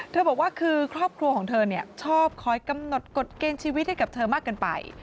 บอกว่าคือครอบครัวของเธอชอบคอยกำหนดกฎเกณฑ์ชีวิตให้กับเธอมากเกินไป